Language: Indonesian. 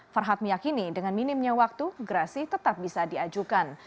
farhad meyakini dengan minimnya waktu gerasi tetap bisa diajukan